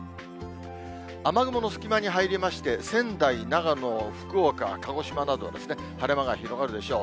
雨雲の隙間に入りまして、仙台、長野、福岡、鹿児島などは晴れ間が広がるでしょう。